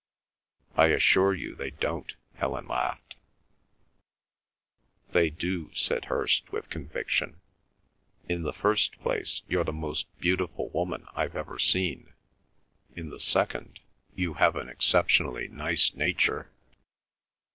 "I assure you they don't," Helen laughed. "They do," said Hirst with conviction. "In the first place, you're the most beautiful woman I've ever seen; in the second, you have an exceptionally nice nature."